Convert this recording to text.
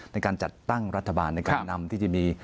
ในการจัดตั้งรัฐบาลในการนำที่จะมี